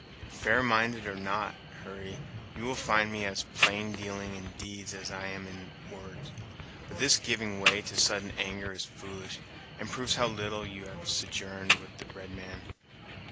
"Fair minded or not, Hurry, you will find me as plaindealing in deeds as I am in words. But this giving way to sudden anger is foolish, and proves how little you have sojourned with the red man.